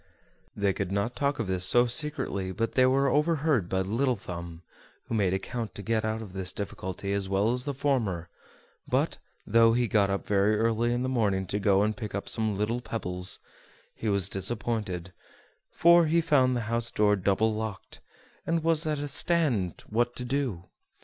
They could not talk of this so secretly but they were overheard by Little Thumb, who made account to get out of this difficulty as well as the former; but, though he got up very early in the morning to go and pick up some little pebbles, he was disappointed, for he found the house door double locked, and was at a stand what to do.